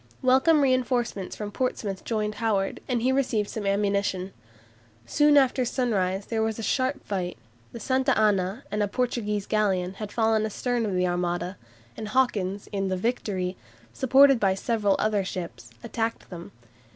Welcome reinforcements from Portsmouth joined Howard, and he received some ammunition. Soon after sunrise there was a sharp fight. The "Santa Ana" and a Portuguese galleon had fallen astern of the Armada, and Hawkins, in the "Victory," supported by several other ships, attacked them.